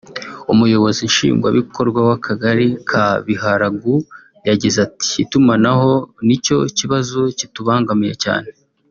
Umunyamabanga Nshingwabikorwa w’Akagari ka Biharagu yagize ati “Itumanaho ni cyo kibazo kitubangamiye cyane